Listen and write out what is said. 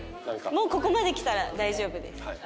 もうここまできたら大丈夫です。